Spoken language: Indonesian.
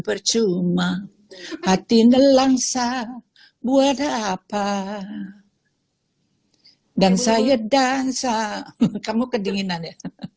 percuma hati nelang sah buat apa dan saya dansa kamu kedinginan ya